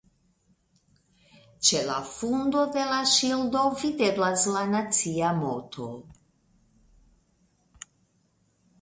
Ĉe la fundo de la ŝildo videblas la nacia moto.